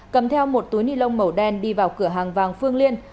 cầm theo một túi nilon màu đen đi vào cửa hàng vàng phương liên